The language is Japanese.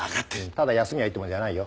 ただ休みゃいいってもんじゃないよ。